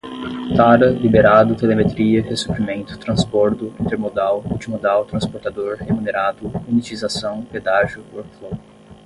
tara liberado telemetria ressuprimento transbordo intermodal multimodal transportador remunerado unitização pedágio workflow